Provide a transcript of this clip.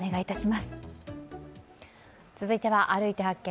続いては「歩いて発見！